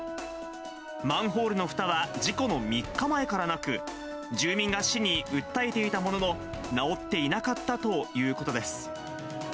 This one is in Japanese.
マンホールのふたは、事故の３日前からなく、住民が市に訴えていたものの、直っていなかったということです。